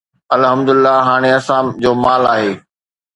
الحمدلله هاڻي اسان جو مال آهي